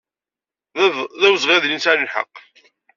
D awezɣi ad ilin sɛan lḥeqq.